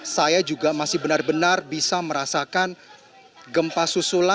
saya juga masih benar benar bisa merasakan gempa susulan